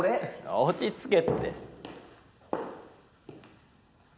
落ち着けって。